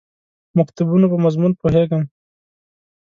مکتوبونو په مضمون پوهېږم.